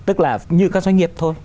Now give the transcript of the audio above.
tức là như các doanh nghiệp thôi